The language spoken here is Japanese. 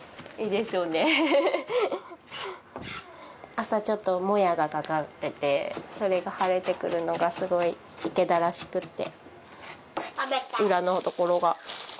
朝ちょっともやがかかっててそれが晴れてくるのがすごく池田らしくって。